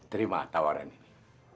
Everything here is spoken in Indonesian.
terima tawaran ini